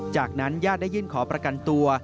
จากนั้นญาติได้ยื่นขอประกันตัว